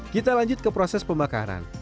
kita lanjut ke proses pembakaran